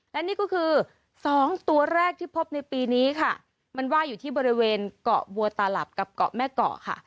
และนี่ก็คือสองตัวแรกที่พบในปีนี้ค่ะมันว่าอยู่ที่บริเวณเกาะบัวตาหลับกับเกาะแม่เกาะค่ะ